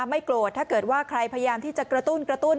ไม่โกรธถ้าเกิดว่าใครพยายามที่จะกระตุ้นกระตุ้น